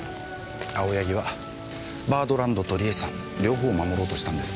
青柳は『バードランド』と梨絵さん両方を守ろうとしたんです。